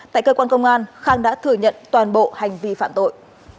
tại cơ quan công an khang đã thừa nhận toàn bộ hành vi phạm tội